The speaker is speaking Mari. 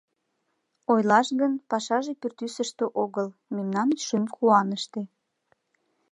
Ойлаш гын, пашаже пӱртӱсыштӧ огыл Мемнан шӱм куаныште.